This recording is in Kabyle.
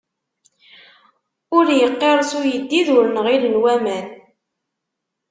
Ur yeqqirṣ uyeddid, ur nɣilen waman.